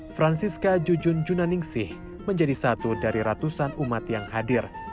francisca jujun junaningsih menjadi satu dari ratusan umat yang hadir